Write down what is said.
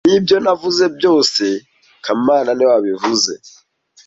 Nibyo navuze byose kamana niwe wabivuze